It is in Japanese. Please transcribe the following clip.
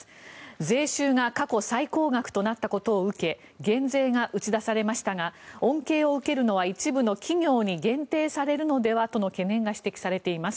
税収が過去最高額となったことを受け減税が打ち出されましたが恩恵を受けるのは一部の企業に限定されるのではとの懸念が指摘されています。